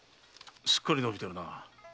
すっかりのびてるな。